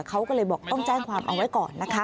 เขาก็เลยบอกต้องแจ้งความเอาไว้ก่อนนะคะ